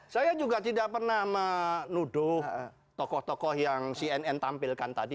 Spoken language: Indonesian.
saya juga tidak pernah menuduh tokoh tokoh yang cnn tampilkan tadi